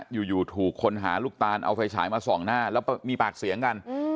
อยู่ถูกคนหาลูกตานเอาไฟฉายมาส่องหน้าแล้วมีปากเสียงกัน